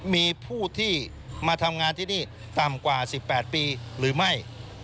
มีผู้ที่มาทำงานที่นี่ต่ำกว่า๑๘ปีหรือไม่